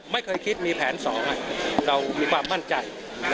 ไม่เคยคิดมีแผนสองเรามีความมั่นใจ